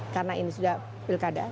karena ini sudah pilkada